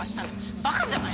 バカじゃないの！？